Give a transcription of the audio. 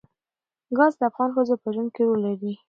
ګاز د افغان ښځو په ژوند کې رول لري.